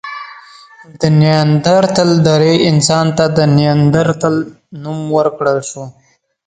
د نیاندرتال درې انسان ته د نایندرتال نوم ورکړل شو.